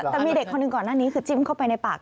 แต่มีเด็กคนหนึ่งก่อนหน้านี้คือจิ้มเข้าไปในปาก